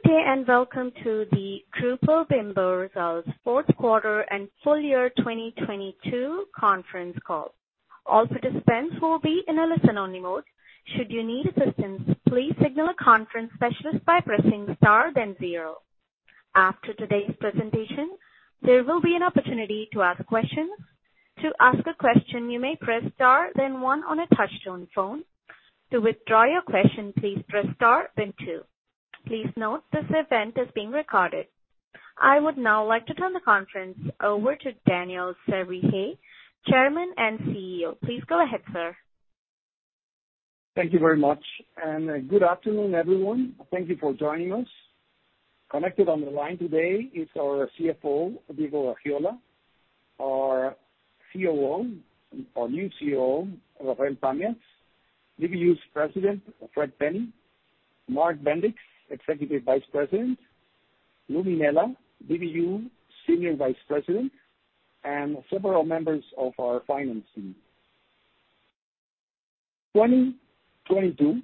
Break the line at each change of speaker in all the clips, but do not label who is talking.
Good day and welcome to the Grupo Bimbo Results Fourth Quarter and Full Year 2022 conference call. All participants will be in a listen only mode. Should you need assistance, please signal a conference specialist by pressing star then zero. After today's presentation, there will be an opportunity to ask questions. To ask a question, you may press star then one on a touchtone phone. To withdraw your question, please press star then two. Please note this event is being recorded. I would now like to turn the conference over to Daniel Servitje, Chairman and CEO. Please go ahead, sir.
Thank you very much. Good afternoon, everyone. Thank you for joining us. Connected on the line today is our CFO, Diego Gaxiola, our COO, our new COO, Rafael Tamez, BBU's President, Fred Penny, Mark Bendix, Executive Vice President, Lou Minella, BBU Senior Vice President, and several members of our finance team. 2022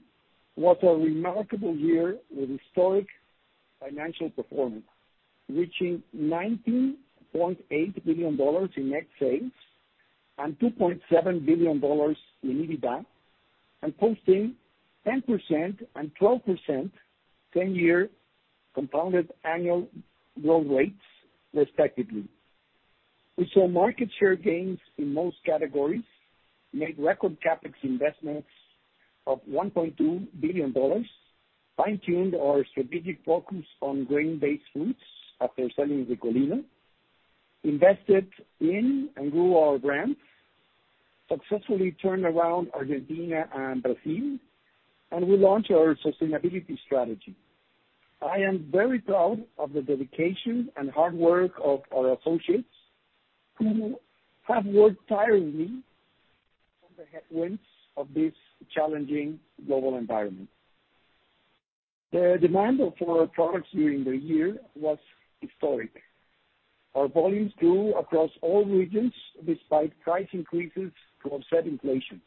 was a remarkable year with historic financial performance, reaching $19.8 billion in net sales and $2.7 billion in EBITDA, posting 10% and 12% ten-year compounded annual growth rates respectively. We saw market share gains in most categories, made record CapEx investments of $1.2 billion, fine-tuned our strategic focus on grain-based foods after selling Ricolino, invested in and grew our brands, successfully turned around Argentina and Brazil. We launched our sustainability strategy. I am very proud of the dedication and hard work of our associates who have worked tirelessly on the headwinds of this challenging global environment. The demand for our products during the year was historic. Our volumes grew across all regions despite price increases to offset inflation.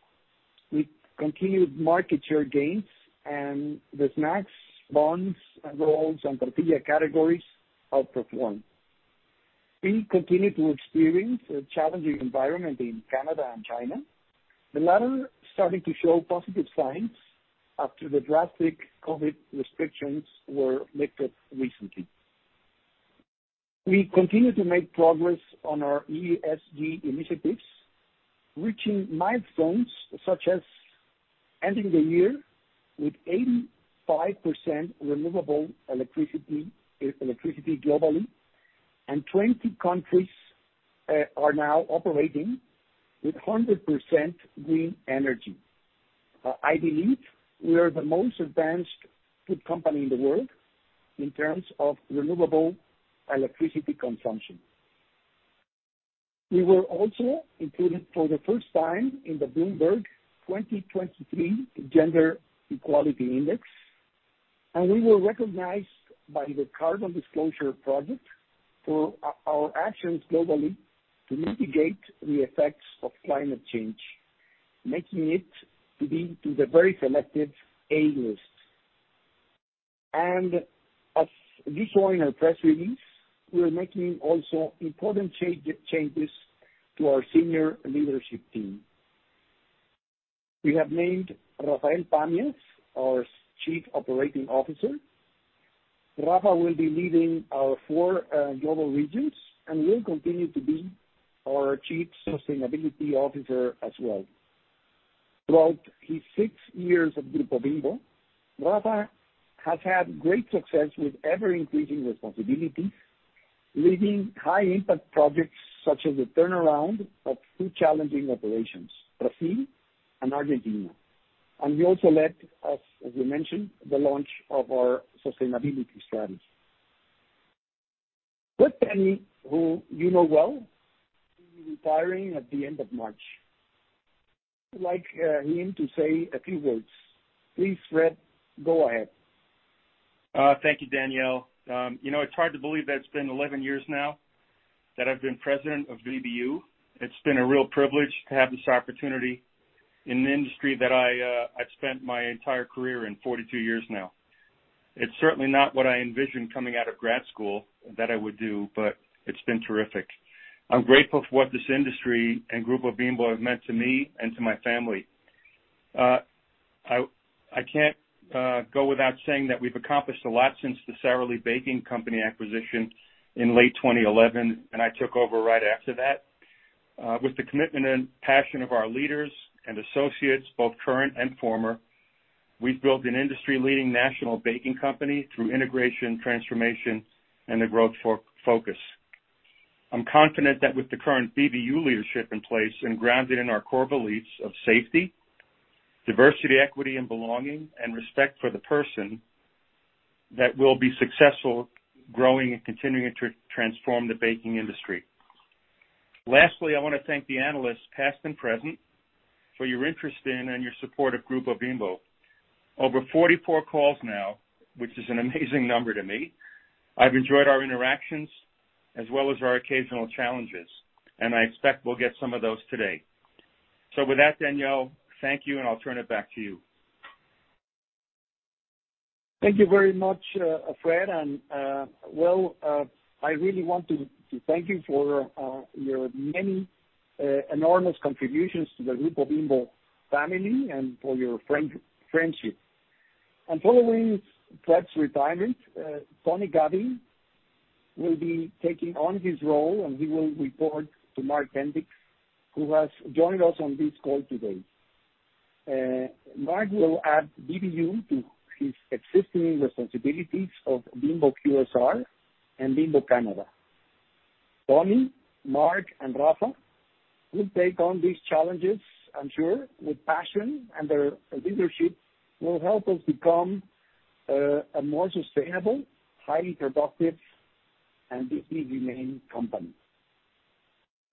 We continued market share gains, the snacks, buns, and rolls and tortilla categories outperformed. We continue to experience a challenging environment in Canada and China, the latter starting to show positive signs after the drastic COVID restrictions were lifted recently. We continue to make progress on our ESG initiatives, reaching milestones such as ending the year with 85% renewable electricity globally, and 20 countries are now operating with 100% green energy. I believe we are the most advanced food company in the world in terms of renewable electricity consumption. We were also included for the first time in the Bloomberg 2023 Gender-Equality Index. We were recognized by the Carbon Disclosure Project for our actions globally to mitigate the effects of climate change, making it to be to the very selective A list. As disclosed in our press release, we are making also important changes to our senior leadership team. We have named Rafael Tamez, our Chief Operating Officer. Rafael will be leading our four global regions and will continue to be our Chief Sustainability Officer as well. Throughout his six years at Grupo Bimbo, Rafael has had great success with ever-increasing responsibilities, leading high impact projects such as the turnaround of two challenging operations, Brazil and Argentina. He also led, as we mentioned, the launch of our sustainability strategy. Fred Penny, who you know well, he's retiring at the end of March. I'd like him to say a few words. Please, Fred, go ahead.
Thank you, Daniel. You know, it is hard to believe that it is been 11 years now that I have been president of BBU. It has been a real privilege to have this opportunity in the industry that I spent my entire career in 42 years now. It is certainly not what I envisioned coming out of grad school that I would do, but it has been terrific. I am grateful for what this industry and Grupo Bimbo have meant to me and to my family. I cannot go without saying that we have accomplished a lot since the Sara Lee Baking Company acquisition in late 2011, and I took over right after that. With the commitment and passion of our leaders and associates, both current and former, we have built an industry-leading national baking company through integration, transformation, and a growth focus. I'm confident that with the current BBU leadership in place and grounded in our core beliefs of safety, diversity, equity and belonging, and respect for the person, that we'll be successful growing and continuing to transform the baking industry. Lastly, I wanna thank the analysts, past and present, for your interest in and your support of Grupo Bimbo. Over 44 calls now, which is an amazing number to me, I've enjoyed our interactions as well as our occasional challenges, and I expect we'll get some of those today. With that, Daniel, thank you, and I'll turn it back to you.
Thank you very much, Fred. Well, I really want to thank you for your many enormous contributions to the Grupo Bimbo family and for your friendship. Following Fred's retirement, Tony Gavin will be taking on his role, and he will report to Mark Bendix, who has joined us on this call today. Mark will add BBU to his existing responsibilities of Bimbo QSR and Bimbo Canada. Tony, Mark, and Rafael will take on these challenges, I'm sure, with passion, and their leadership will help us become a more sustainable, highly productive, and digitally main company.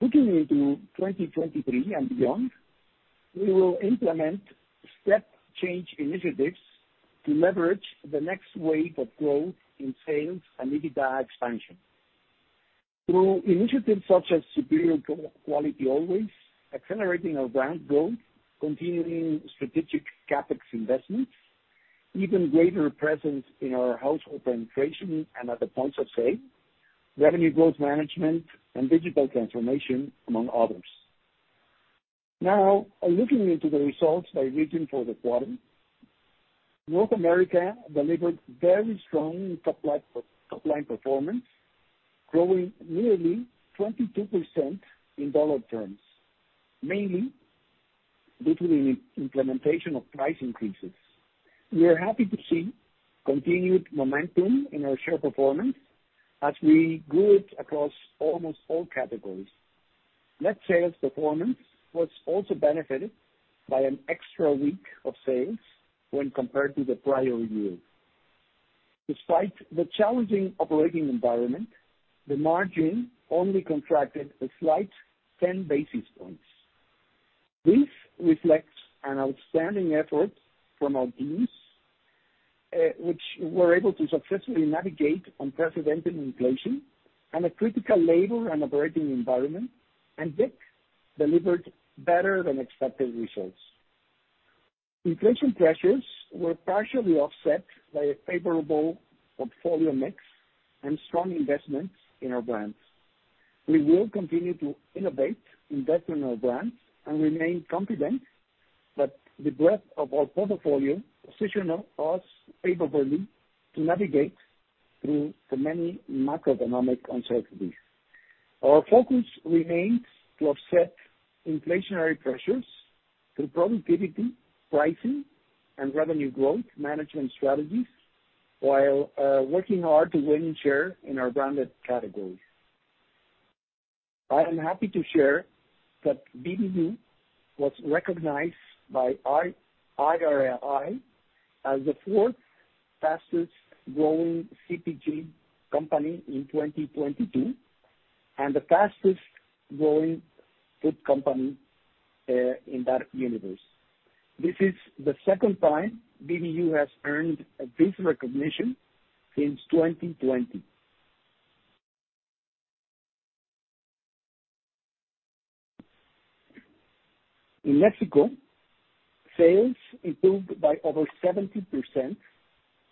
Looking into 2023 and beyond, we will implement step change initiatives to leverage the next wave of growth in sales and EBITDA expansion through initiatives such as superior quality always, accelerating our brand growth, continuing strategic CapEx investments, even greater presence in our household penetration and at the points of sale, revenue growth management, and digital transformation, among others. Now, looking into the results by region for the quarter, North America delivered very strong top line performance, growing nearly 22% in dollar terms, mainly due to the implementation of price increases. We are happy to see continued momentum in our share performance as we grew it across almost all categories. Net sales performance was also benefited by an extra week of sales when compared to the prior year. Despite the challenging operating environment, the margin only contracted a slight 10 basis points. This reflects an outstanding effort from our teams, which were able to successfully navigate unprecedented inflation and a critical labor and operating environment. Bimbo delivered better than expected results. Inflation pressures were partially offset by a favorable portfolio mix and strong investments in our brands. We will continue to innovate, invest in our brands, and remain confident that the breadth of our portfolio positions us favorably to navigate through the many macroeconomic uncertainties. Our focus remains to offset inflationary pressures through productivity, pricing, and revenue growth management strategies while working hard to win share in our branded categories. I am happy to share that BBU was recognized by IRI as the fourth fastest growing CPG company in 2022, and the fastest growing food company, in that universe. This is the second time BBU has earned this recognition since 2020. In Mexico, sales improved by over 70%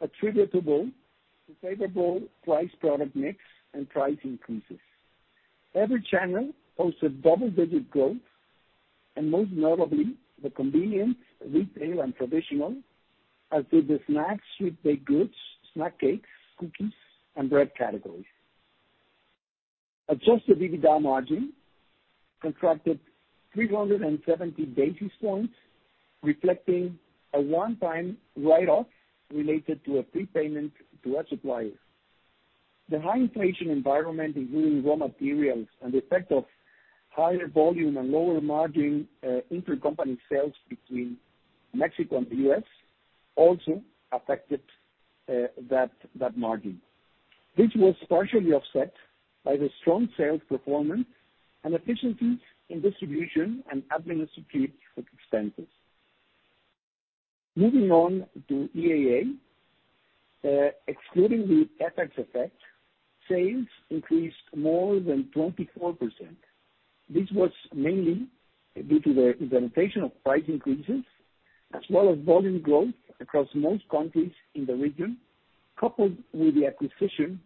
attributable to favorable price product mix and price increases. Every channel posted double-digit growth. Most notably the convenience, retail, and traditional, as did the snacks, sweet baked goods, snack cakes, cookies, and bread categories. Adjusted EBITDA margin contracted 370 basis points, reflecting a one-time write-off related to a prepayment to our suppliers. The high inflation environment in raw materials and the effect of higher volume and lower margin intercompany sales between Mexico and the U.S. also affected that margin. This was partially offset by the strong sales performance and efficiencies in distribution and administrative expenses. Moving on to EAA, excluding the FX effect, sales increased more than 24%. This was mainly due to the implementation of price increases as well as volume growth across most countries in the region, coupled with the acquisition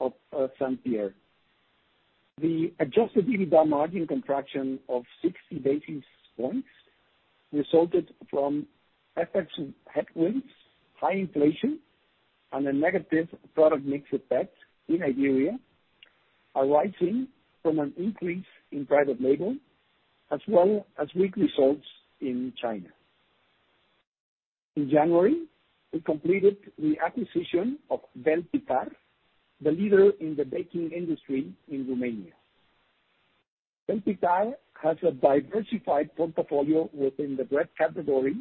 of St. Pierre. The adjusted EBITDA margin contraction of 60 basis points resulted from FX headwinds, high inflation and a negative product mix effect in Nigeria, arising from an increase in private label as well as weak results in China. In January, we completed the acquisition of Vel Pitar, the leader in the baking industry in Romania. Vel Pitar has a diversified portfolio within the bread category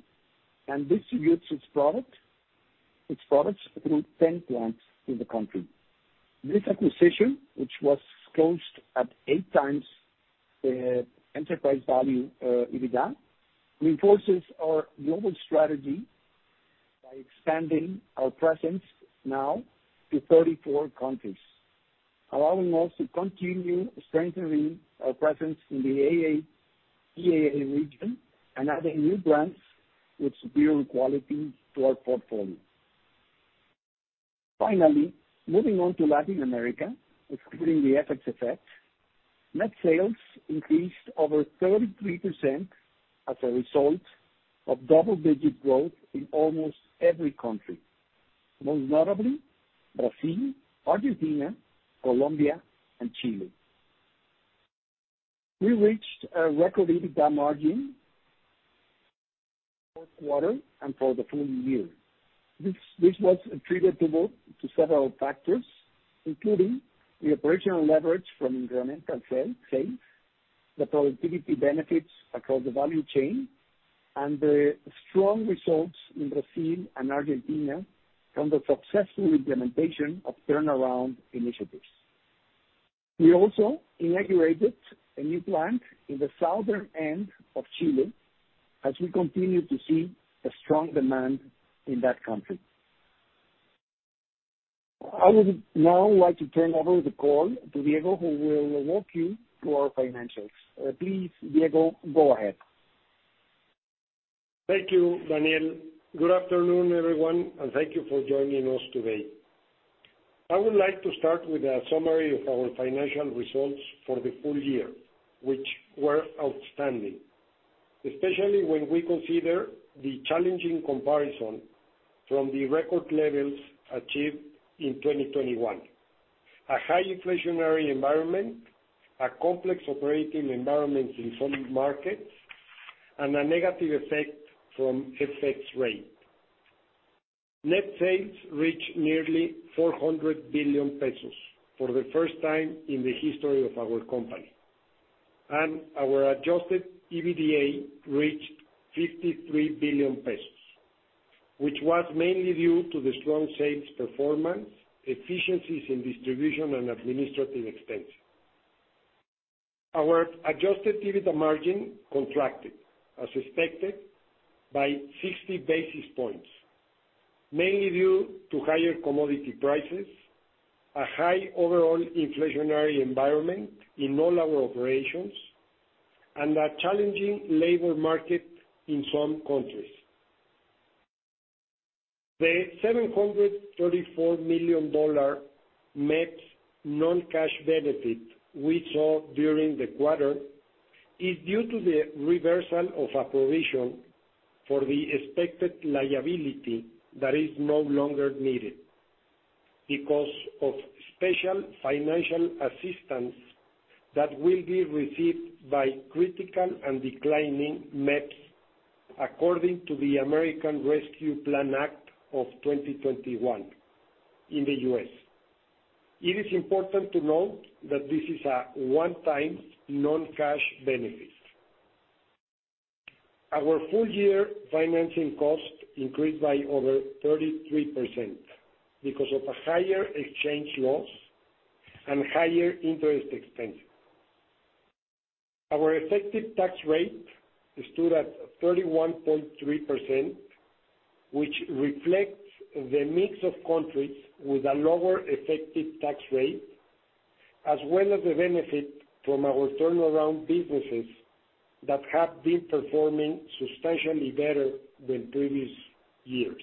and distributes its products through 10 plants in the country. This acquisition, which was closed at 8 times enterprise value EBITDA, reinforces our global strategy by expanding our presence now to 34 countries, allowing us to continue strengthening our presence in the EAA region and adding new brands with superior quality to our portfolio. Finally, moving on to Latin America, excluding the FX effect, net sales increased over 33% as a result of double-digit growth in almost every country, most notably Brazil, Argentina, Colombia, and Chile. We reached a record EBITDA margin fourth quarter and for the full year. This was attributable to several factors, including the operational leverage from incremental sales, the productivity benefits across the value chain, and the strong results in Brazil and Argentina from the successful implementation of turnaround initiatives. We also inaugurated a new plant in the southern end of Chile as we continue to see a strong demand in that country. I would now like to turn over the call to Diego, who will walk you through our financials. Please, Diego, go ahead.
Thank you, Daniel Servitje. Good afternoon, everyone, and thank you for joining us today. I would like to start with a summary of our financial results for the full year, which were outstanding, especially when we consider the challenging comparison from the record levels achieved in 2021: a high inflationary environment, a complex operating environment in some markets, and a negative effect from FX rate. Net sales reached nearly 400 billion pesos for the first time in the history of our company. Our adjusted EBITDA reached 53 billion pesos, which was mainly due to the strong sales performance, efficiencies in distribution and administrative expenses. Our adjusted EBITDA margin contracted, as expected, by 60 basis points, mainly due to higher commodity prices, a high overall inflationary environment in all our operations, and a challenging labor market in some countries. The $734 million MEPs non-cash benefit we saw during the quarter is due to the reversal of a provision for the expected liability that is no longer needed because of special financial assistance that will be received by critical and declining MEPs according to the American Rescue Plan Act of 2021 in the U.S. It is important to note that this is a one-time non-cash benefit. Our full year financing cost increased by over 33% because of a higher exchange loss and higher interest expense. Our effective tax rate stood at 31.3%, which reflects the mix of countries with a lower effective tax rate, as well as the benefit from our turnaround businesses that have been performing substantially better than previous years.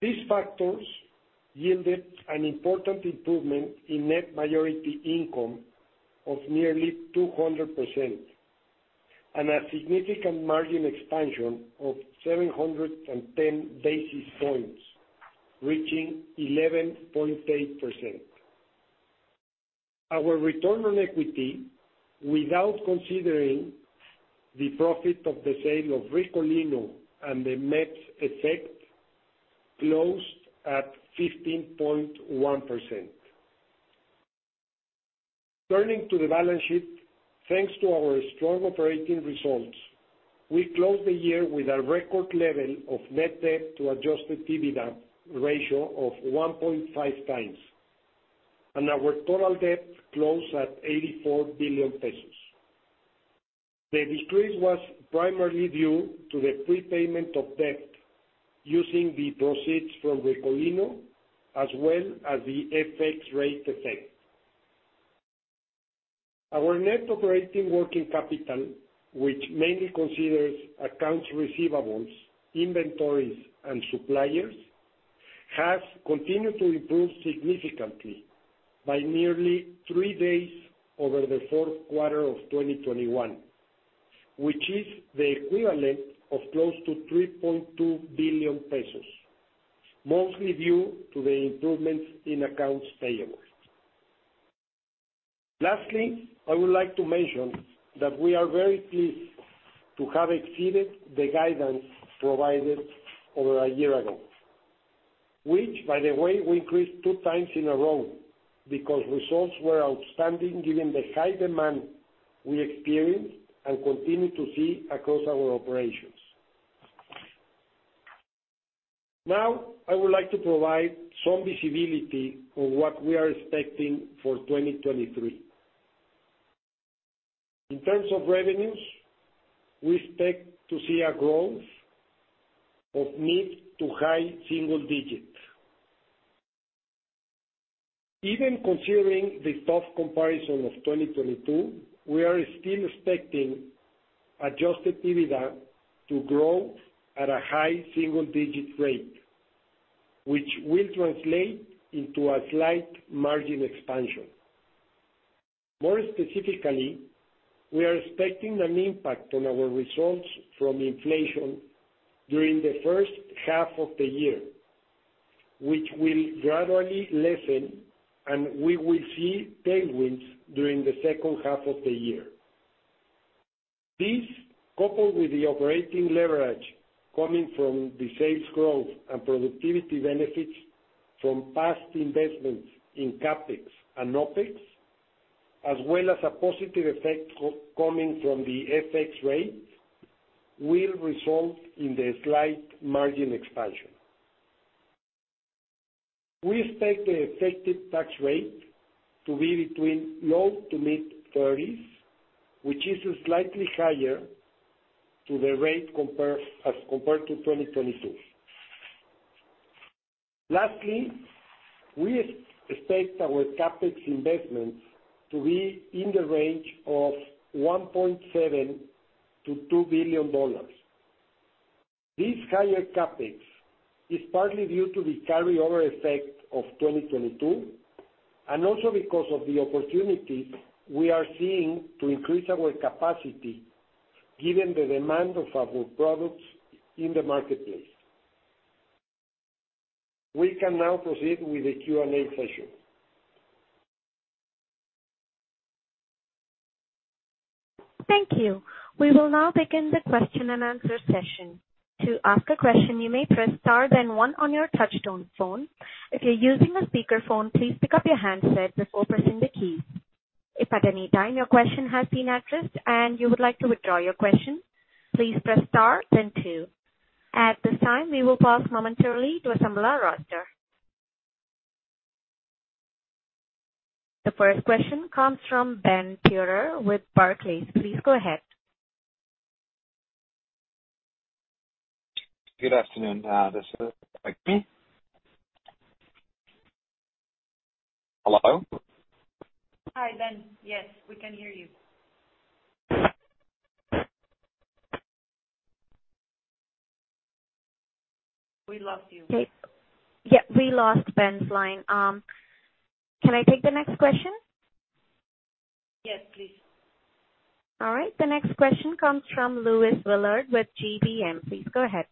These factors yielded an important improvement in net minority income of nearly 200% and a significant margin expansion of 710 basis points, reaching 11.8%. Our return on equity, without considering the profit of the sale of Ricolino and the MEPs effect, closed at 15.1%. Turning to the balance sheet, thanks to our strong operating results, we closed the year with a record level of net debt to adjusted EBITDA ratio of 1.5x, and our total debt closed at 84 billion pesos. The decrease was primarily due to the prepayment of debt using the proceeds from Ricolino as well as the FX rate effect. Our net operating working capital, which mainly considers accounts receivables, inventories, and suppliers, has continued to improve significantly by nearly three days over the fourth quarter of 2021, which is the equivalent of close to 3.2 billion pesos, mostly due to the improvements in accounts payables. Lastly, I would like to mention that we are very pleased to have exceeded the guidance provided over a year ago, which, by the way, we increased two times in a row because results were outstanding given the high demand we experienced and continue to see across our operations. Now, I would like to provide some visibility on what we are expecting for 2023. In terms of revenues, we expect to see a growth of mid to high single digits. Even considering the tough comparison of 2022, we are still expecting adjusted EBITDA to grow at a high single digit rate, which will translate into a slight margin expansion. More specifically, we are expecting an impact on our results from inflation during the first half of the year, which will gradually lessen, and we will see tailwinds during the second half of the year. This, coupled with the operating leverage coming from the sales growth and productivity benefits from past investments in CapEx and OpEx, as well as a positive effect coming from the FX rates, will result in the slight margin expansion. We expect the effective tax rate to be between low to mid thirties, which is slightly higher to the rate as compared to 2022. Lastly, we expect our CapEx investments to be in the range of $1.7 billion-$2 billion. This higher CapEx is partly due to the carryover effect of 2022, and also because of the opportunity we are seeing to increase our capacity given the demand of our products in the marketplace. We can now proceed with the Q&A session.
Thank you. We will now begin the question and answer session. To ask a question, you may press star then one on your touchtone phone. If you're using a speakerphone, please pick up your handset before pressing the key. If at any time your question has been addressed and you would like to withdraw your question, please press star then two. At this time, we will pause momentarily to assemble our roster. The first question comes from Benjamin Theurer with Barclays. Please go ahead.
Good afternoon. This is Benjamin Theurer. Hello?
Hi, Ben. Yes, we can hear you. We lost you.
Yeah, we lost Ben's line. Can I take the next question?
Yes, please.
All right. The next question comes from Luis Willard with GBM. Please go ahead.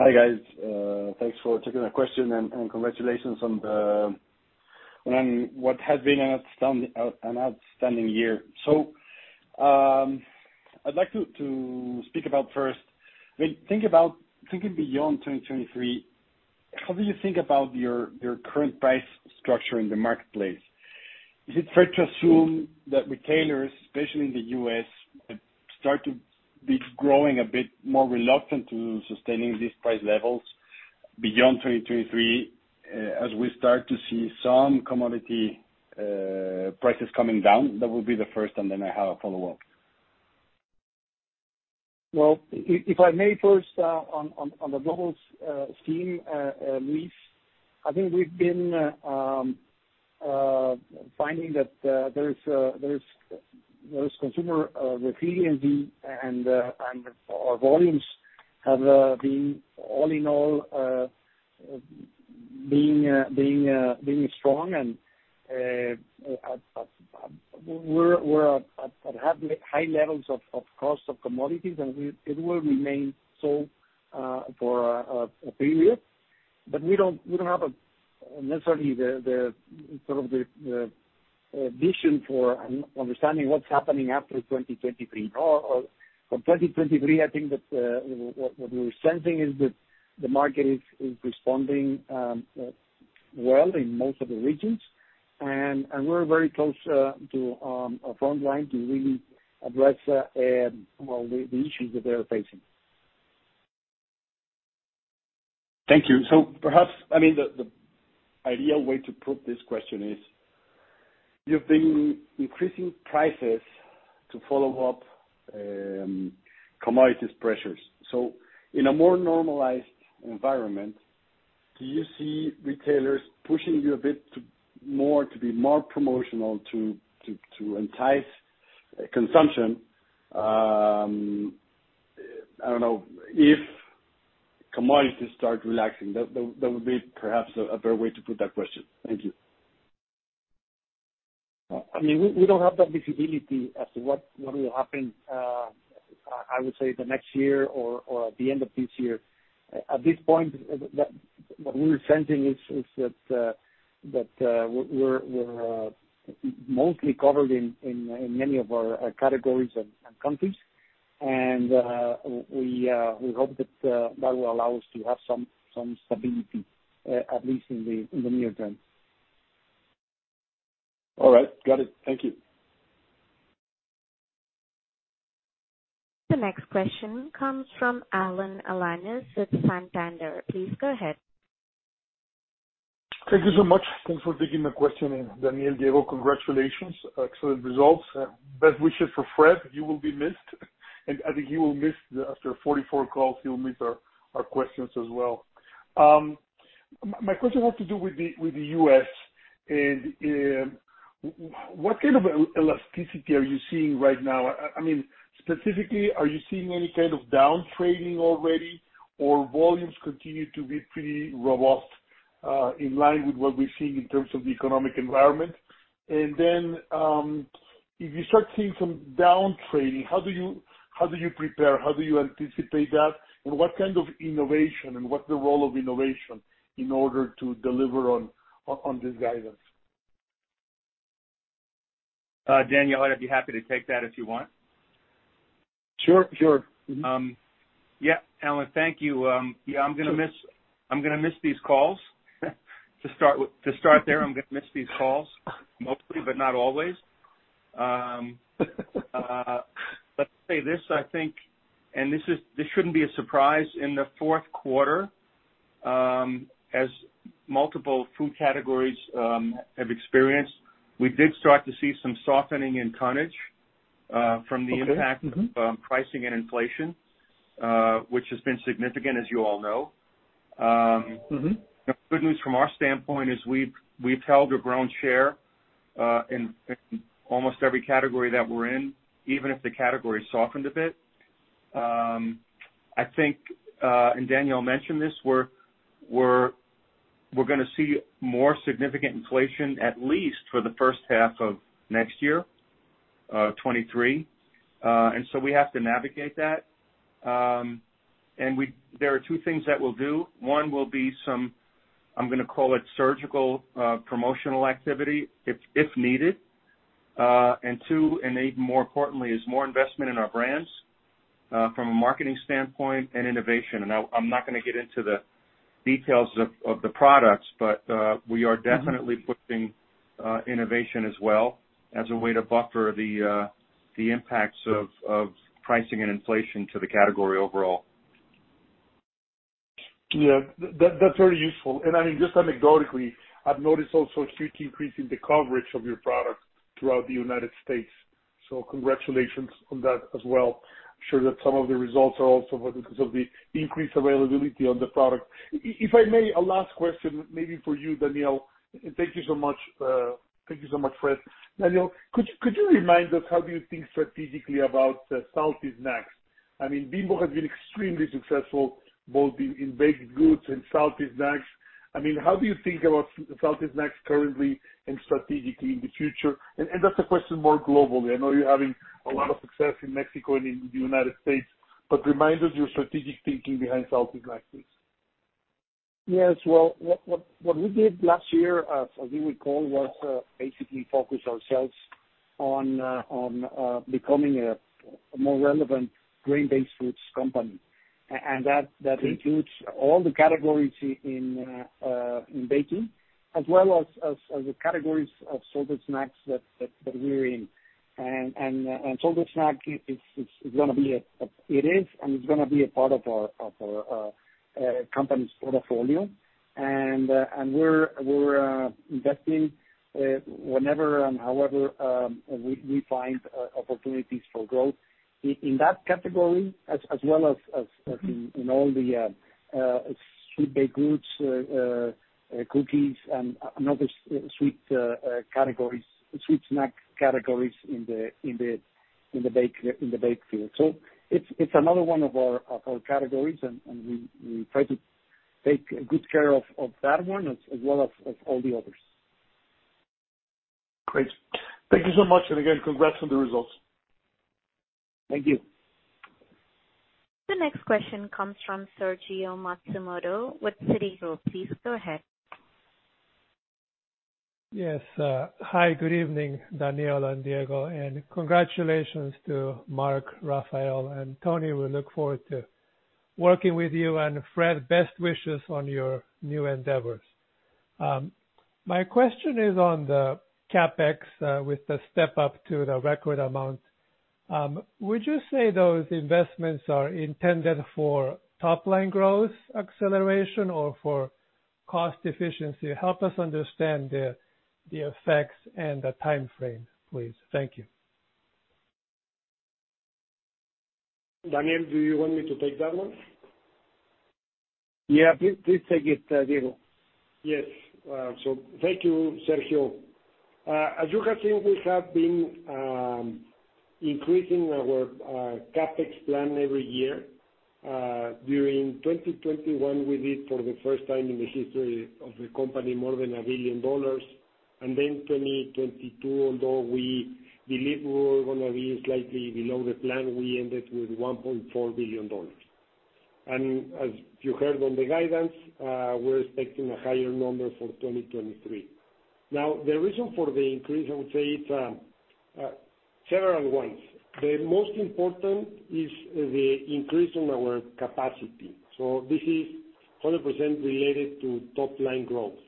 Hi, guys. Thanks for taking the question and congratulations on what has been an outstanding year. I'd like to speak about first, when thinking beyond 2023, how do you think about your current price structure in the marketplace? Is it fair to assume that retailers, especially in the U.S., start to be growing a bit more reluctant to sustaining these price levels beyond 2023, as we start to see some commodity prices coming down? That would be the first, I have a follow-up.
Well, if I may first, on the global scene, Luis, I think we've been finding that there is consumer resiliency and our volumes have been all in all, being strong and it will remain so, for a period, but we don't, we don't have a necessarily the sort of the vision for un-understanding what's happening after 2023. For 2023, I think that what we're sensing is that the market is responding well in most of the regions, and we're very close to our frontline to really address well, the issues that they're facing.
Thank you. Perhaps, I mean, the ideal way to put this question is you've been increasing prices to follow up commodities pressures. In a more normalized environment, do you see retailers pushing you a bit to be more promotional to entice consumption, I don't know if commodities start relaxing? That would be perhaps a better way to put that question. Thank you.
I mean, we don't have that visibility as to what will happen, I would say the next year or at the end of this year. At this point, what we're sensing is that we're mostly covered in many of our categories and countries. We hope that will allow us to have some stability at least in the near term.
All right. Got it. Thank you.
The next question comes from Alan Alanis with Santander. Please go ahead.
Thank you so much. Thanks for taking the question. Daniel, Diego, congratulations. Excellent results. Best wishes for Fred. You will be missed. I think he will miss, after 44 calls, he'll miss our questions as well. My question has to do with the U.S. and what kind of elasticity are you seeing right now? I mean specifically, are you seeing any kind of down trading already or volumes continue to be pretty robust, in line with what we're seeing in terms of the economic environment? If you start seeing some down trading, how do you prepare? How do you anticipate that? What kind of innovation and what the role of innovation in order to deliver on this guidance?
Daniel, I'd be happy to take that if you want.
Sure, sure. Mm-hmm.
Yeah, Alan, thank you. Yeah, I'm gonna miss these calls. To start there, I'm gonna miss these calls mostly, but not always. Let's say this, I think, this shouldn't be a surprise in the fourth quarter, as multiple food categories, have experienced, we did start to see some softening in tonnage.
Okay. Mm-hmm...
from the impact of pricing and inflation, which has been significant, as you all know.
Mm-hmm
the good news from our standpoint is we've held or grown share, in almost every category that we're in, even if the category softened a bit. I think Daniel mentioned this, we're gonna see more significant inflation, at least for the first half of next year, 2023. We have to navigate that. There are two things that we'll do. One will be some, I'm gonna call it surgical, promotional activity if needed. Two, and even more importantly, is more investment in our brands, from a marketing standpoint and innovation. I'm not gonna get into the details of the products, but we are definitely putting innovation as well as a way to buffer the impacts of pricing and inflation to the category overall.
Yeah. That's very useful. I mean, just anecdotally, I've noticed also a huge increase in the coverage of your product throughout the United States, so congratulations on that as well. I'm sure that some of the results are also because of the increased availability of the product. If I may, a last question maybe for you, Daniel. Thank you so much. Thank you so much, Fred. Daniel, could you remind us how do you think strategically about salty snacks? I mean, Grupo Bimbo has been extremely successful both in baked goods and salty snacks. I mean, how do you think about salty snacks currently and strategically in the future? That's a question more globally. I know you're having a lot of success in Mexico and in the United States, but remind us your strategic thinking behind salty snacks, please.
Yes. Well, what we did last year, as you recall, was basically focus ourselves on becoming a more relevant grain-based foods company. That includes all the categories in baking as well as the categories of salted snacks that we're in. Salted snack it's gonna be, it is and it's gonna be a part of our company's portfolio. We're investing whenever and however, we find opportunities for growth in that category as well as in all the sweet baked goods, cookies and other sweet categories, sweet snack categories in the bake field. It's another one of our categories and we try to take good care of that one as well as all the others.
Great. Thank you so much. Again, congrats on the results.
Thank you.
The next question comes from Sergio Matsumoto with Citi. Please go ahead.
Yes. Hi, good evening, Daniel and Diego. Congratulations to Mark, Rafael, and Tony. We look forward to working with you. Fred, best wishes on your new endeavors. My question is on the CapEx with the step up to the record amount. Would you say those investments are intended for top line growth acceleration or for cost efficiency? Help us understand the effects and the timeframe, please. Thank you.
Daniel, do you want me to take that one?
Yeah. Please take it, Diego.
Yes. Thank you, Sergio. As you have seen, we have been increasing our CapEx plan every year. During 2021 we did for the first time in the history of the company, more than $1 billion. 2022, although we believe we were gonna be slightly below the plan, we ended with $1.4 billion. As you heard on the guidance, we're expecting a higher number for 2023. The reason for the increase, I would say it's several ones. The most important is the increase in our capacity. This is 100% related to top line growth.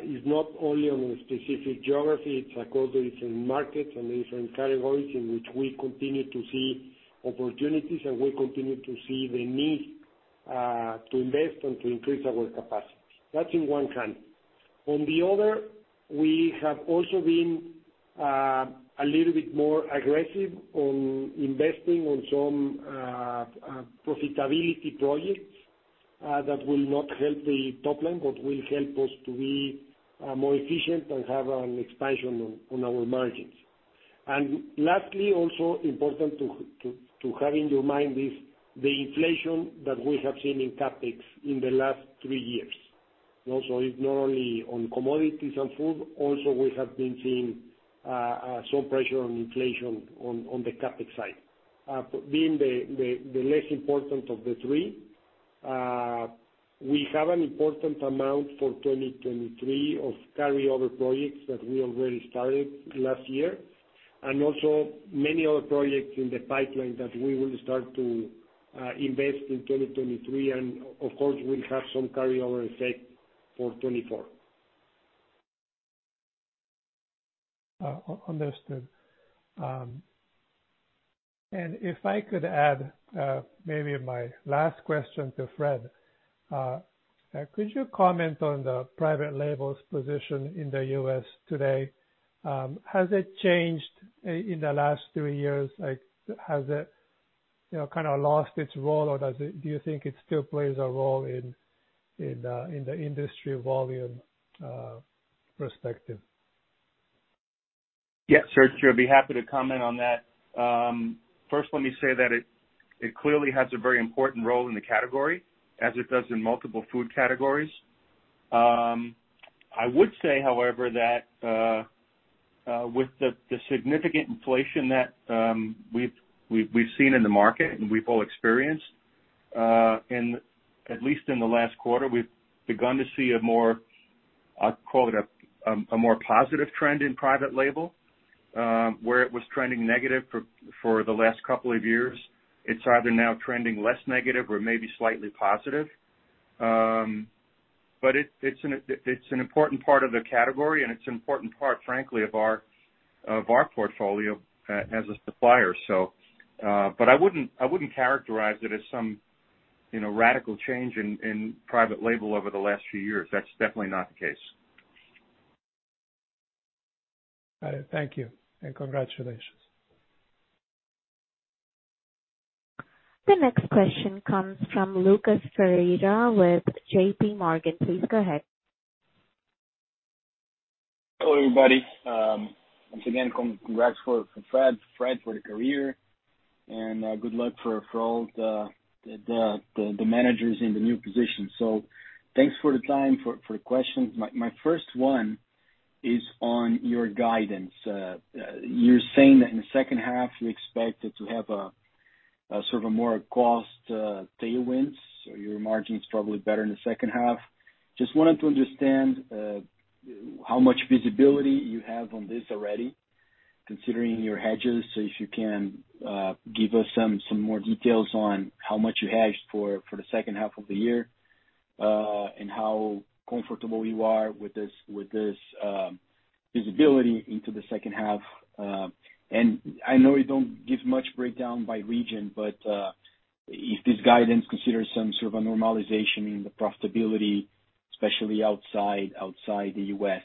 It's not only on a specific geography, it's across the different markets and the different categories in which we continue to see opportunities, and we continue to see the need to invest and to increase our capacities. That's in one hand. On the other, we have also been a little bit more aggressive on investing on some profitability projects that will not help the top line, but will help us to be more efficient and have an expansion on our margins. Lastly, also important to have in your mind is the inflation that we have seen in CapEx in the last three years. It's not only on commodities and food, also we have been seeing some pressure on inflation on the CapEx side. Being the less important of the three, we have an important amount for 2023 of carryover projects that we already started last year, and also many other projects in the pipeline that we will start to invest in 2023, and of course, we'll have some carryover effect for 2024.
Understood. If I could add, maybe my last question to Fred. Could you comment on the private labels position in the U.S. today? Has it changed in the last three years? Like, has it, you know, kinda lost its role, or Do you think it still plays a role in the industry volume perspective?
Yes, sure. I'd be happy to comment on that. First, let me say that it clearly has a very important role in the category as it does in multiple food categories. I would say, however, that with the significant inflation that we've seen in the market and we've all experienced in at least in the last quarter, we've begun to see a more, I'd call it a more positive trend in private label, where it was trending negative for the last couple of years. It's either now trending less negative or maybe slightly positive. It's an important part of the category, and it's an important part, frankly, of our portfolio as a supplier. I wouldn't characterize it as some, you know, radical change in private label over the last few years. That's definitely not the case.
All right. Thank you, and congratulations.
The next question comes from Lucas Ferreira with JPMorgan. Please go ahead.
Hello, everybody. Once again, congrats for Fred, for the career. Good luck for all the managers in the new position. Thanks for the time. For the questions, my first one is on your guidance. You're saying that in the second half, you expect it to have a sort of a more cost tailwinds, so your margin's probably better in the second half. Just wanted to understand how much visibility you have on this already, considering your hedges. If you can give us some more details on how much you hedged for the second half of the year, and how comfortable you are with this visibility into the second half. I know you don't give much breakdown by region, but if this guidance considers some sort of a normalization in the profitability, especially outside the U.S..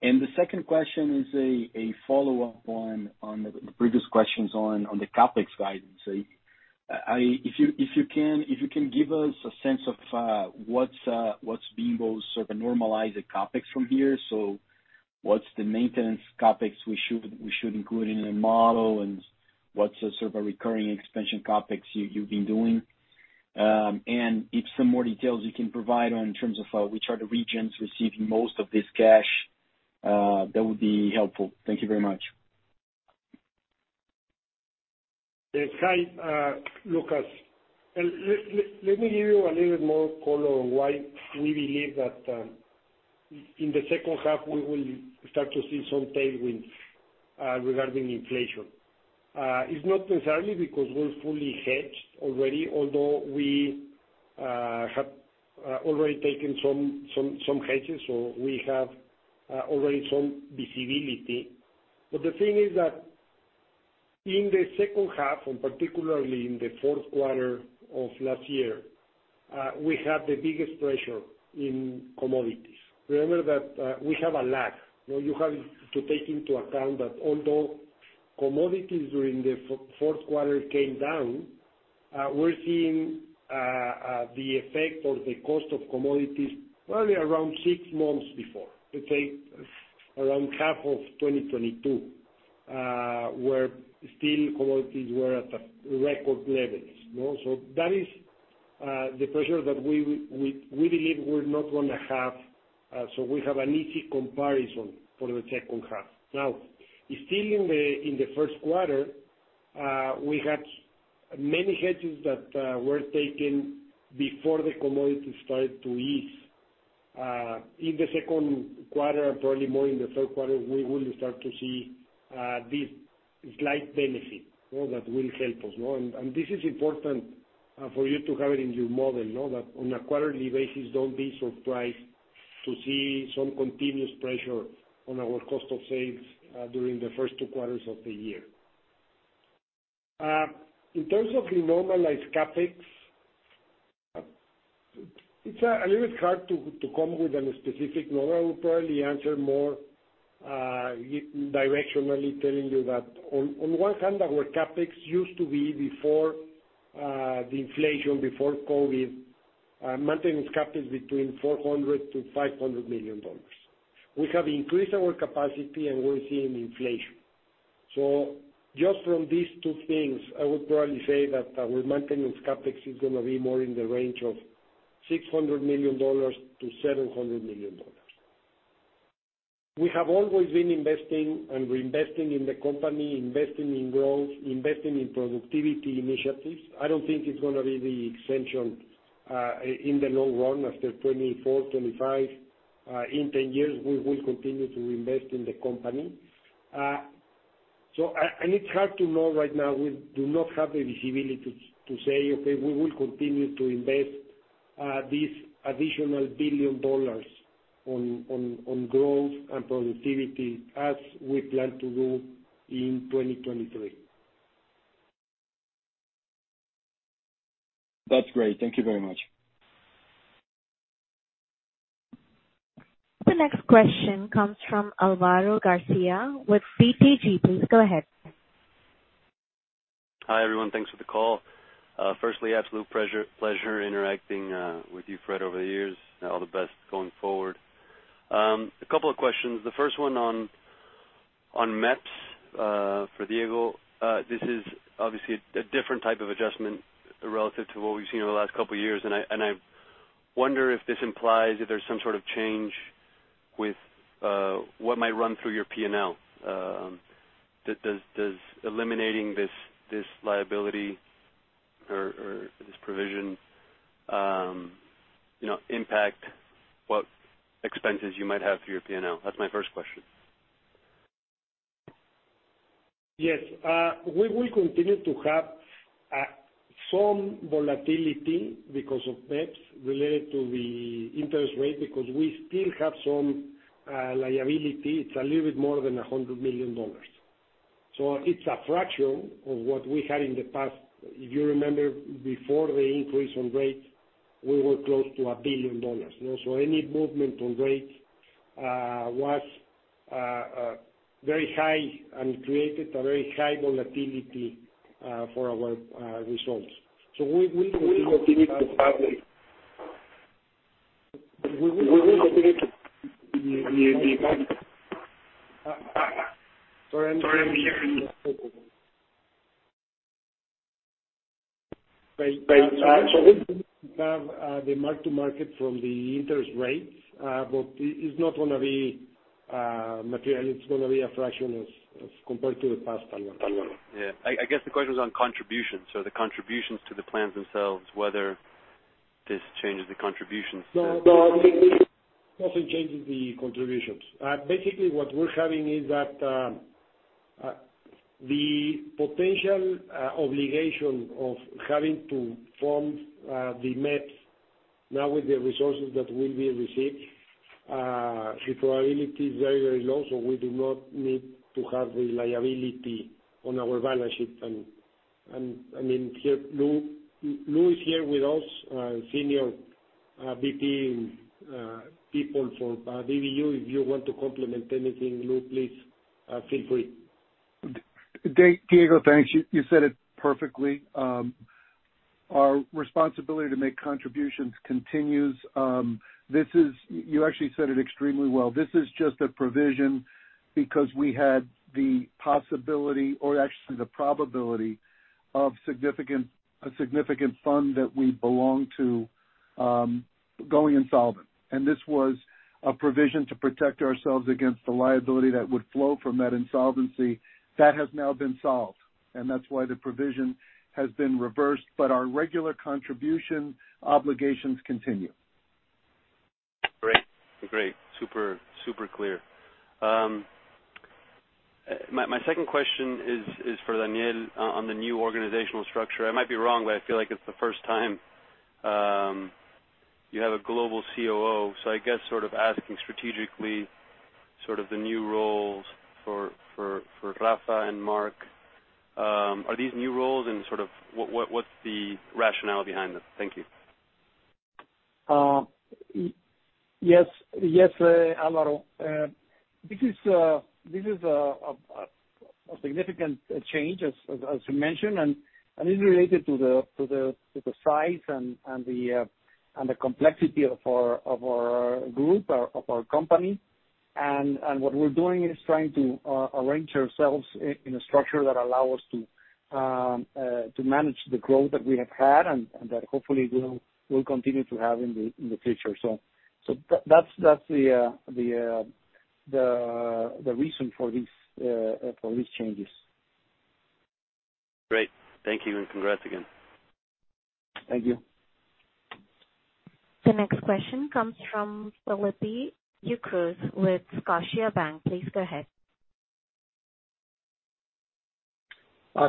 The second question is a follow-up on the previous questions on the CapEx guidance. If you can give us a sense of what's Bimbo's sort of normalized CapEx from here. What's the maintenance CapEx we should include in the model, and what's the sort of a recurring expansion CapEx you've been doing? If some more details you can provide on in terms of which are the regions receiving most of this cash, that would be helpful. Thank you very much.
Yes. Hi, Lucas. Let me give you a little more color on why we believe that in the second half we will start to see some tailwinds regarding inflation. It's not necessarily because we're fully hedged already, although we have already taken some hedges, so we have already some visibility. The thing is that in the second half, and particularly in the fourth quarter of last year, we had the biggest pressure in commodities. Remember that we have a lag. You know, you have to take into account that although commodities during the fourth quarter came down, we're seeing the effect or the cost of commodities probably around six months before. Let's say around half of 2022, were still commodities were at a record levels. You know? That is the pressure that we believe we're not going to have, so we have an easy comparison for the 2nd half. Still in the 1st quarter, we had many hedges that were taken before the commodity started to ease. In the 2nd quarter, and probably more in the 3rd quarter, we will start to see this slight benefit, you know, that will help us. You know. This is important, for you to have it in your model, know that on a quarterly basis, don't be surprised to see some continuous pressure on our cost of sales during the 1st two quarters of the year. In terms of the normalized CapEx, it's a little hard to come with any specific number. I will probably answer more directionally telling you that on one hand, our CapEx used to be before the inflation, before COVID, maintenance CapEx between $400 million-$500 million. We have increased our capacity, and we're seeing inflation. Just from these two things, I would probably say that our maintenance CapEx is gonna be more in the range of $600 million-$700 million. We have always been investing and reinvesting in the company, investing in growth, investing in productivity initiatives. I don't think it's gonna be the exception in the long run after 2024, 2025. In 10 years we will continue to invest in the company. It's hard to know right now, we do not have the visibility to say, okay, we will continue to invest this additional $1 billion on growth and productivity as we plan to do in 2023.
That's great. Thank you very much.
The next question comes from Alvaro Garcia with BTG. Please go ahead.
Hi, everyone. Thanks for the call. Firstly, absolute pleasure interacting with you, Fred, over the years. All the best going forward. A couple of questions. The first one on MEPS for Diego. This is obviously a different type of adjustment relative to what we've seen over the last couple years, and I wonder if this implies if there's some sort of change with what might run through your P&L. Does eliminating this liability or this provision, you know, impact what expenses you might have through your P&L? That's my first question.
Yes. We will continue to have some volatility because of MEPS related to the interest rate because we still have some liability. It's a little bit more than $100 million. It's a fraction of what we had in the past. If you remember, before the increase on rates, we were close to $1 billion, you know. Any movement on rates was very high and created a very high volatility for our results. The mark-to-market from the interest rates, but it's not gonna be material. It's gonna be a fraction as compared to the past time.
Yeah. I guess the question is on contributions. The contributions to the plans themselves, whether this changes the contributions.
No. No. It, it doesn't change the contributions. Basically what we're having is that the potential obligation of having to form the MEPS now with the resources that will be received, the probability is very, very low, so we do not need to have the liability on our balance sheet. I mean, here, Lou is here with us, senior VP in people for BBU. If you want to complement anything, Lou, please, feel free.
Diego, thanks. You said it perfectly. Our responsibility to make contributions continues. You actually said it extremely well. This is just a provision because we had the possibility or actually the probability of a significant fund that we belong to, going insolvent. This was a provision to protect ourselves against the liability that would flow from that insolvency. That has now been solved, and that's why the provision has been reversed. Our regular contribution obligations continue.
Great. Great. Super, super clear. My second question is for Daniel on the new organizational structure. I might be wrong, but I feel like it's the first time you have a global COO. I guess sort of asking strategically, sort of the new roles for Rafael and Mark, are these new roles and sort of what's the rationale behind them? Thank you.
Yes, yes, Alvaro. This is a significant change, as you mentioned, and it's related to the size and the complexity of our group, of our company. What we're doing is trying to arrange ourselves in a structure that allow us to manage the growth that we have had and that hopefully we'll continue to have in the future. That's the reason for these changes.
Great. Thank you, and congrats again.
Thank you.
The next question comes from Felipe Ucros with Scotiabank. Please go ahead.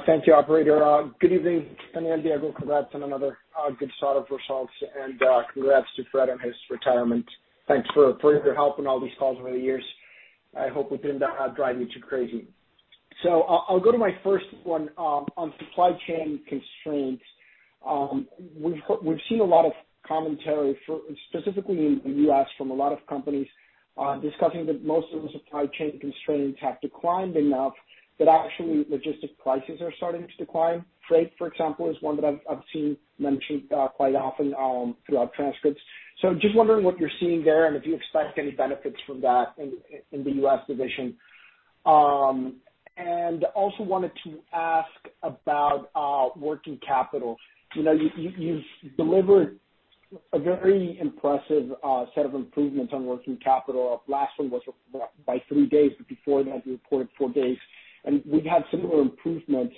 Thank you, operator. Good evening, Daniel and Diego. Congrats on another good set of results, and congrats to Fred on his retirement. Thanks for your help on all these calls over the years. I hope we didn't drive you too crazy. I'll go to my first one on supply chain constraints. We've seen a lot of commentary for, specifically in the U.S. from a lot of companies, discussing that most of the supply chain constraints have declined enough that actually logistic prices are starting to decline. Freight, for example, is one that I've seen mentioned quite often throughout transcripts. Just wondering what you're seeing there and if you expect any benefits from that in the U.S. division. And also wanted to ask about working capital. You know, you've delivered a very impressive set of improvements on working capital. Last one was by three days, but before that you reported four days, and we've had similar improvements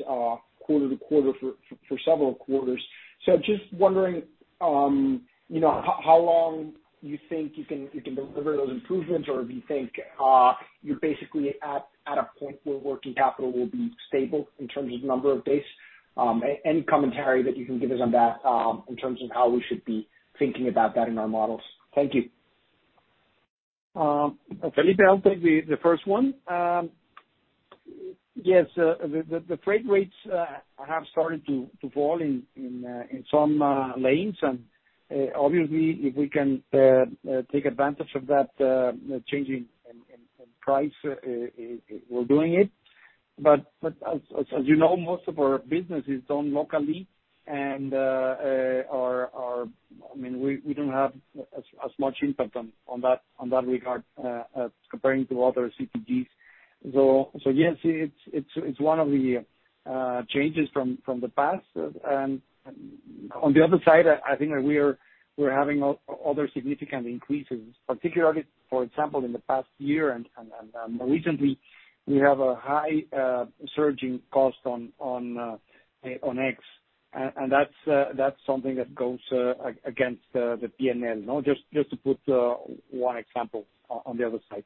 quarter to quarter for several quarters. Just wondering, you know, how long you think you can deliver those improvements or if you think you're basically at a point where working capital will be stable in terms of number of days. Any commentary that you can give us on that in terms of how we should be thinking about that in our models. Thank you.
Felipe, I'll take the first one. Yes, the freight rates have started to fall in some lanes, and obviously if we can take advantage of that changing in price, we're doing it. As you know, most of our business is done locally and our... I mean, we don't have as much impact on that regard, comparing to other CPGs. Yes, it's one of the changes from the past. On the other side, I think that we're having other significant increases, particularly, for example, in the past year and recently, we have a high surging cost on eggs and that's something that goes against the P&L. You know, just to put one example on the other side.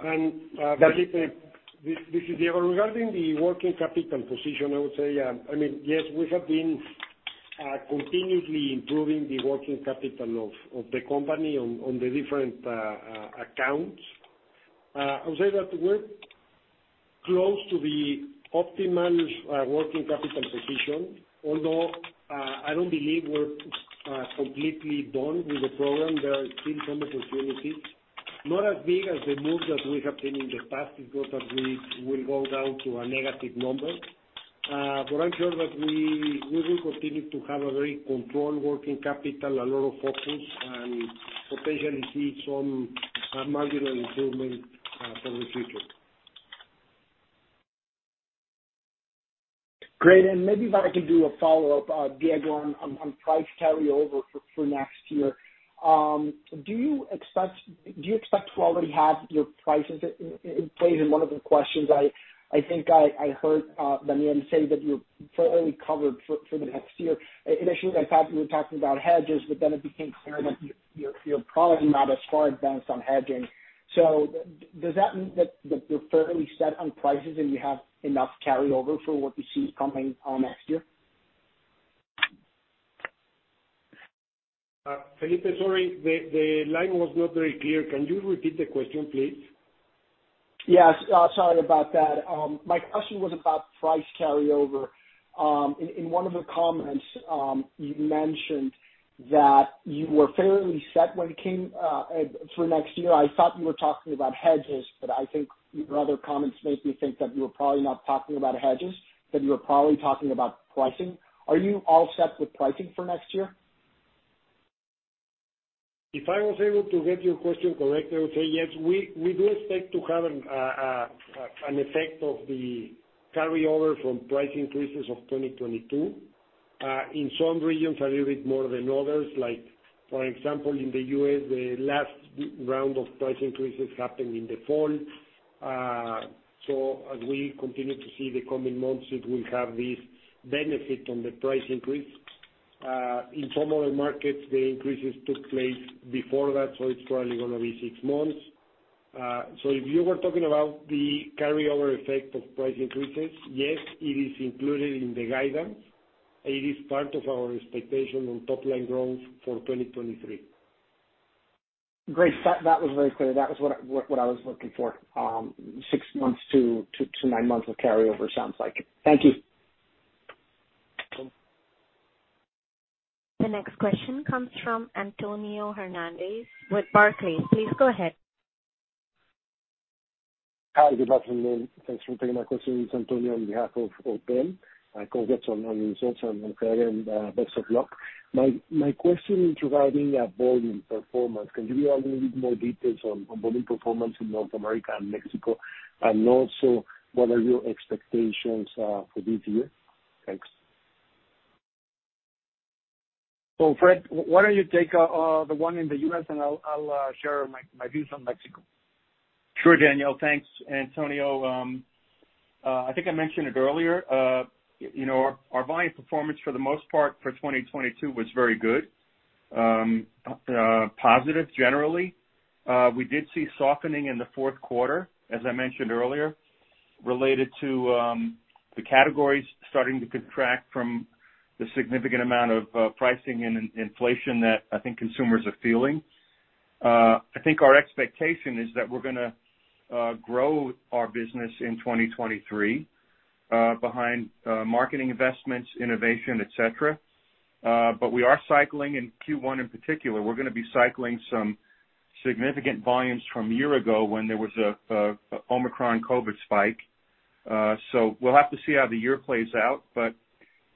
Felipe, this is Diego. Regarding the working capital position, I would say, I mean, yes, we have been continuously improving the working capital of the company on the different accounts. I would say that we're close to the optimal working capital position, although I don't believe we're completely done with the program. There are still some opportunities, not as big as the moves that we have taken in the past, because that we will go down to a negative number. I'm sure that we will continue to have a very controlled working capital, a lot of focus and potentially see some marginal improvement for the future.
Great. Maybe if I could do a follow-up, Diego, on price carryover for next year. Do you expect to already have your prices in place? In one of the questions I think I heard Daniel say that you're fairly covered for the next year. Initially, I thought you were talking about hedges, it became clear that you're probably not as far advanced on hedging. Does that mean that you're fairly set on prices and you have enough carryover for what you see coming next year?
Felipe, sorry, the line was not very clear. Can you repeat the question please?
Yes, sorry about that. My question was about price carryover. In one of the comments, you mentioned that you were fairly set when it came through next year. I thought you were talking about hedges, but I think your other comments make me think that you were probably not talking about hedges, that you were probably talking about pricing. Are you all set with pricing for next year?
If I was able to get your question correct, I would say yes. We do expect to have an effect of the carryover from price increases of 2022, in some regions a little bit more than others. Like for example, in the U.S., the last round of price increases happened in the fall. As we continue to see the coming months, it will have this benefit on the price increase. In some other markets, the increases took place before that, so it's probably gonna be six months. If you were talking about the carryover effect of price increases, yes, it is included in the guidance. It is part of our expectation on top line growth for 2023.
Great. That was very clear. That was what I was looking for. six months to nine months of carryover sounds like. Thank you.
The next question comes from Antonio Hernández with Barclays. Please go ahead.
Hi, good afternoon. Thanks for taking my question. It's Antonio on behalf of OPM. My congrats on your results and Fred and best of luck. My question is regarding volume performance. Can you give me a little bit more details on volume performance in North America and Mexico? Also, what are your expectations for this year? Thanks.
Fred, why don't you take the one in the U.S. and I'll share my views on Mexico.
Sure, Daniel. Thanks, Antonio. I think I mentioned it earlier. You know, our volume performance for the most part for 2022 was very good. Positive generally. We did see softening in the fourth quarter, as I mentioned earlier, related to the categories starting to contract from the significant amount of pricing and in-inflation that I think consumers are feeling. I think our expectation is that we're gonna grow our business in 2023 behind marketing investments, innovation, et cetera. We are cycling in Q1 in particular, we're gonna be cycling some significant volumes from a year ago when there was a Omicron COVID spike. We'll have to see how the year plays out.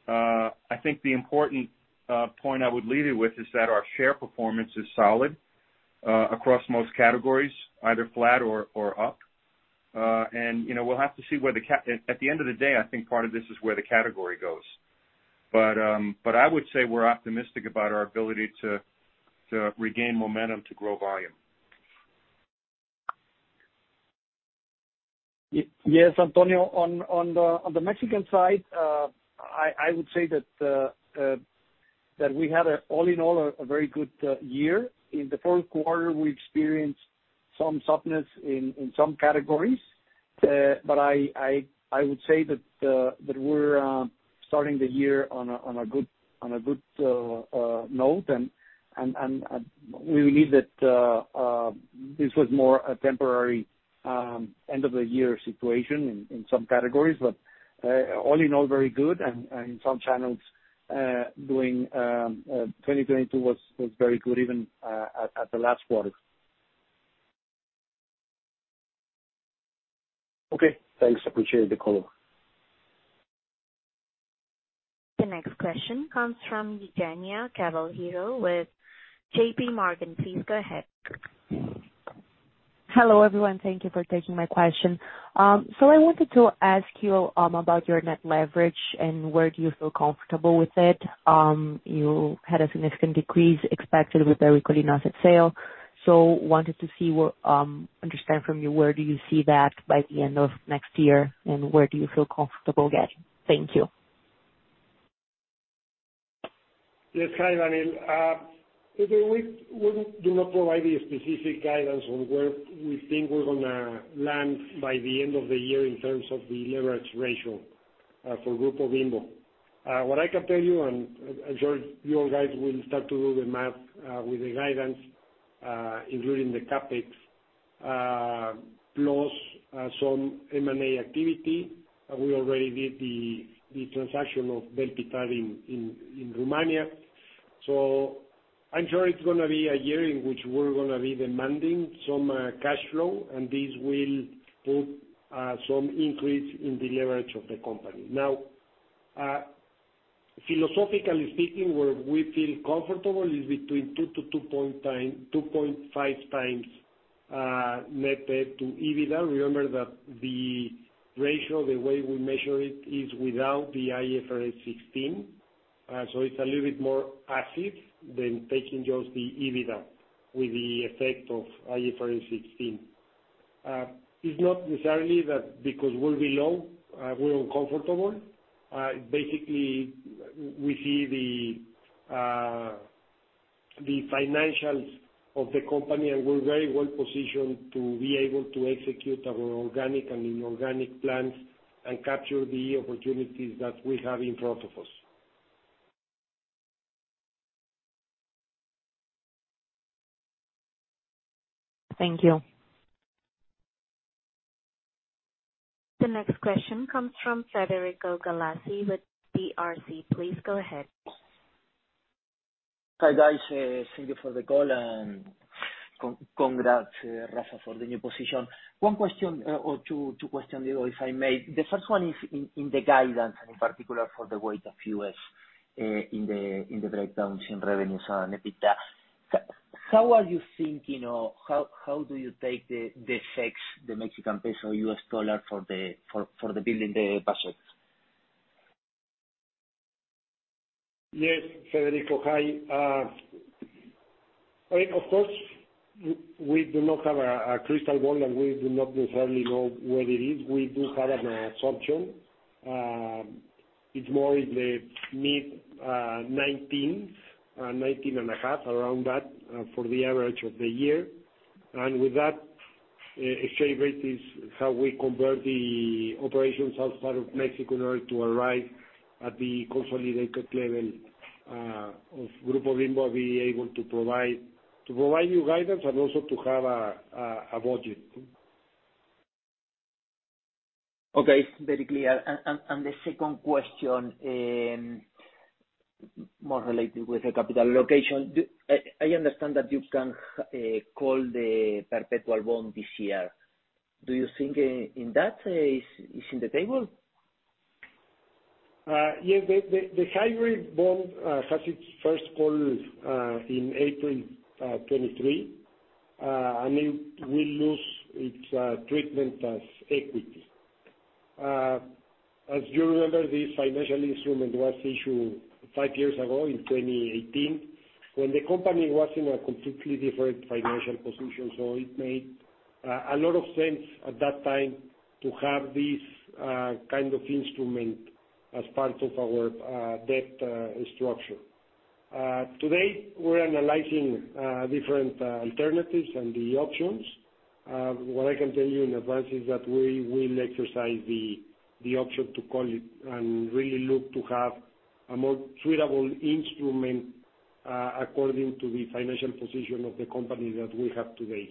I think the important point I would leave you with is that our share performance is solid, across most categories, either flat or up. You know, we'll have to see. At the end of the day, I think part of this is where the category goes. I would say we're optimistic about our ability to regain momentum to grow volume.
Yes, Antonio. On the Mexican side, I would say that we had all in all, a very good year. In the fourth quarter, we experienced some softness in some categories. I would say that we're starting the year on a good note. We believe that this was more a temporary end of the year situation in some categories. All in all, very good. In some channels, doing 2022 was very good even at the last quarter.
Okay, thanks. Appreciate the call.
The next question comes from Eugenia Cavalheiro with JPMorgan. Please go ahead.
Hello, everyone. Thank you for taking my question. I wanted to ask you about your net leverage and where do you feel comfortable with it? You had a significant decrease expected with the asset sale. wanted to see where, understand from you where do you see that by the end of next year, and where do you feel comfortable getting? Thank you.
Yes. Hi, Daniel. Again, we do not provide any specific guidance on where we think we're gonna land by the end of the year in terms of the leverage ratio for Grupo Bimbo. What I can tell you, and I'm sure you guys will start to do the math with the guidance, including the CapEx, plus some M&A activity. We already did the transaction of Vel Pitar in Romania. I'm sure it's gonna be a year in which we're gonna be demanding some cash flow, and this will put some increase in the leverage of the company. Now, philosophically speaking, where we feel comfortable is between 2-2.5 times net debt to EBITDA. Remember that the ratio, the way we measure it, is without the IFRS 16. It's a little bit more asset than taking just the EBITDA with the effect of IFRS 16. It's not necessarily that because we're below, we're uncomfortable. Basically we see the financials of the company, and we're very well positioned to be able to execute our organic and inorganic plans and capture the opportunities that we have in front of us.
Thank you.
The next question comes from Federico Galassi with DRC. Please go ahead.
Hi, guys. Thank you for the call and congrats, Rafael, for the new position. One question or two questions, if I may. The first one is in the guidance, and in particular for the weight of U.S. in the breakdowns in revenues on EBITDA. How are you thinking or how do you take the effects the Mexican peso, U.S. dollar for the building the budgets?
Yes, Federico. Hi. Of course, we do not have a crystal ball, and we do not necessarily know where it is. We do have an assumption. It's more in the mid-19s, 19.5, around that for the average of the year. With that exchange rate is how we convert the operations outside of Mexico in order to arrive at the consolidated level of Grupo Bimbo, be able to provide you guidance and also to have a budget.
Okay, very clear. The second question, more related with the capital allocation. I understand that you can call the perpetual bond this year. Do you think that is in the table?
Yes. The hybrid bond has its first call in April 2023. It will lose its treatment as equity. As you remember, this financial instrument was issued five years ago in 2018 when the company was in a completely different financial position, so it made a lot of sense at that time to have this kind of instrument as part of our debt structure. Today we're analyzing different alternatives and the options. What I can tell you in advance is that we will exercise the option to call it and really look to have a more suitable instrument according to the financial position of the company that we have today.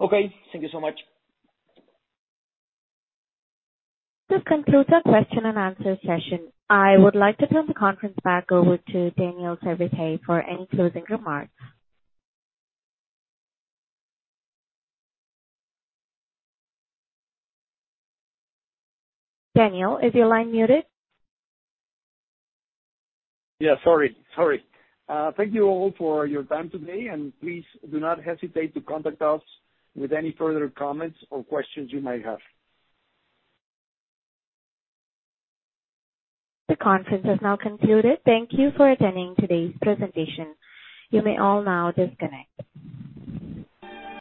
Okay, thank you so much.
This concludes our question and answer session. I would like to turn the conference back over to Daniel Servitje for any closing remarks. Daniel, is your line muted?
Yeah, sorry. Sorry. Thank you all for your time today, and please do not hesitate to contact us with any further comments or questions you might have.
The conference has now concluded. Thank you for attending today's presentation. You may all now disconnect.